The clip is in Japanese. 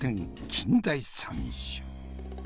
近代三種。